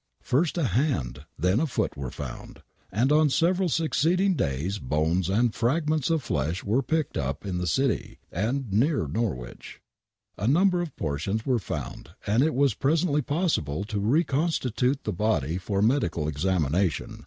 First a hand, and then a foot were found. ^ And on several succeeding days bones and fragments of flesh were picked up in the city, and near Norwich. A number of portions were found and it was presently possible to reconstitute the body for medical examination.